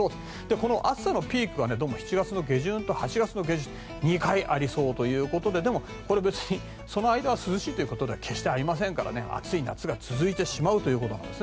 この暑さのピークは７月の下旬と８月下旬と２回ありそうだということででも別にその間が涼しいということでは決してありませんから、暑い夏が続くということです。